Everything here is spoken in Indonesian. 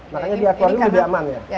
makanya di aquarium lebih aman ya